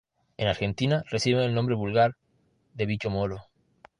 En Argentina reciben el nombre vulgar de bicho moro.